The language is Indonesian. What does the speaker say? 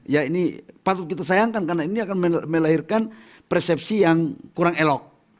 ya ini patut kita sayangkan karena ini akan melahirkan persepsi yang kurang elok